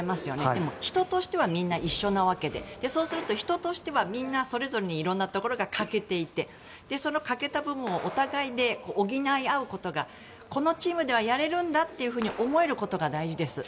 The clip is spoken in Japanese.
でも、人としてはみんな一緒なわけでそうすると人としてはみんなそれぞれに色んなところが欠けていてその欠けた部分をお互いで補い合うことがこのチームではやれるんだと思えることが大事です。